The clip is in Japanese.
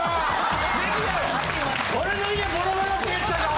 俺の家ボロボロって言ったぞ！